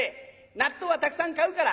納豆はたくさん買うから。